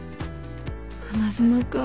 花妻君。